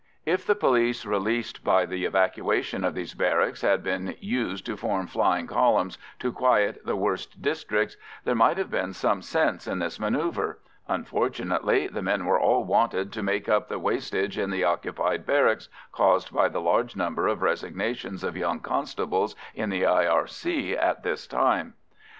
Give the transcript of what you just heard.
If the police released by the evacuation of these barracks had been used to form flying columns to quiet the worst districts, there might have been some sense in this manœuvre; unfortunately, the men were all wanted to make up the wastage in the occupied barracks caused by the large number of resignations of young constables in the R.I.C. at this time.